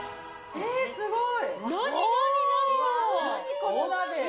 えー、すごい。